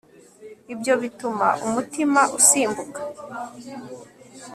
ibyo bituma umutima usimbuka